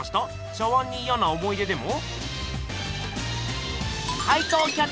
茶碗にいやな思い出でも？